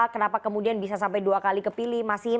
kenapa kemudian bisa sampai dua kali kepilih